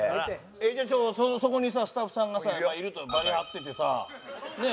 えっじゃあそこにさスタッフさんがさいるとバリ貼っててさねえ。